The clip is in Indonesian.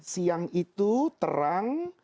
siang itu terang